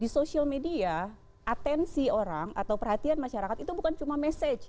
di social media atensi orang atau perhatian masyarakat itu bukan cuma message